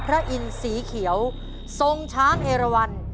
พระอินทร์สีเขียวทรงช้างเอลวัน